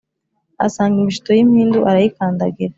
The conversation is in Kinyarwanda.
ahasanga imishito y' impindu arayikandagira